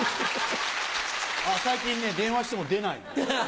最近ね電話しても出ないの。